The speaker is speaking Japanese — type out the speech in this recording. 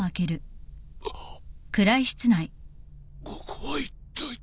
ここはいったい。